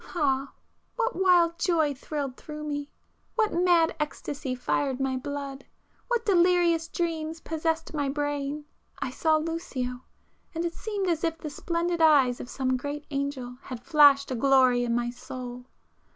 Ah, what wild joy thrilled through me! what mad ecstasy fired my blood!—what delirious dreams possessed my brain!—I saw Lucio,—and it seemed as if the splendid eyes of some great angel had flashed a glory in my soul!